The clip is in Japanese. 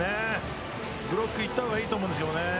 ブロックいった方がいいと思うんですけどね。